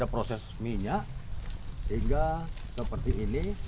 proses minyak sehingga seperti ini